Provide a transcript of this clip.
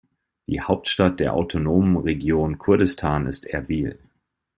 Die Hauptstadt der autonomen Region Kurdistan ist Erbil.